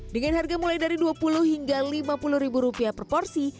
dengan harga mulai dari dua puluh hingga lima puluh ribu rupiah per porsi